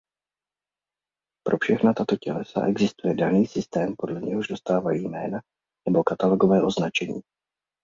Pro všechna tato tělesa existuje daný systém podle něhož dostávají jména nebo katalogové označení.